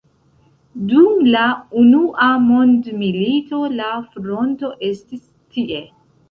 Dum la unua mondmilito la fronto estis tie.